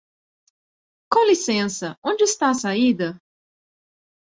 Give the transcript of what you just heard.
Com licença, onde está a saída?